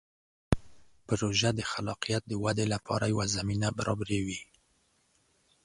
پروژه د خلاقیت د ودې لپاره یوه زمینه برابروي.